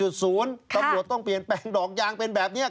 ตำรวจต้องเปลี่ยนแปลงดอกยางเป็นแบบนี้